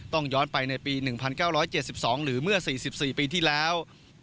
ย้อนไปในปี๑๙๗๒หรือเมื่อ๔๔ปีที่แล้ว